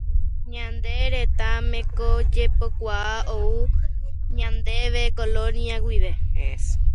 Ñane retãme ko jepokuaa ou ñandéve Colonia guive.